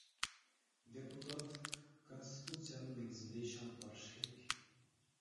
Депутат Конституциянын негизинде иш алып барышы керек.